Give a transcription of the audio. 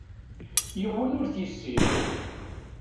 Yiwen ur t-yessin.